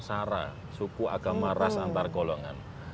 sara suku agama ras antar golongan